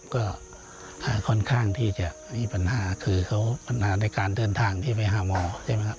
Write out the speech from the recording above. ก็ค่อนข้างที่จะมีปัญหาคือเขาปัญหาในการเดินทางที่ไปหาหมอใช่ไหมครับ